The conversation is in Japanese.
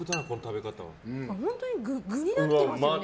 本当に具になっていますよね。